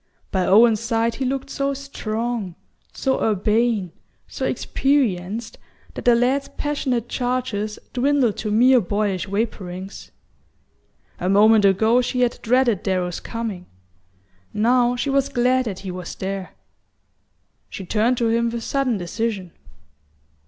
By Owen's side he looked so strong, so urbane, so experienced, that the lad's passionate charges dwindled to mere boyish vapourings. A moment ago she had dreaded Darrow's coming; now she was glad that he was there. She turned to him with sudden decision.